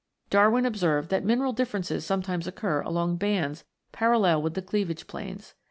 Darwin observed that mineral differences some times occur along bands parallel with the cleavage planes.